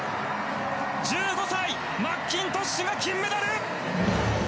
１５歳、マッキントッシュが金メダル！